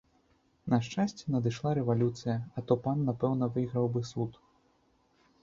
На шчасце надышла рэвалюцыя, а то пан напэўна выйграў бы суд.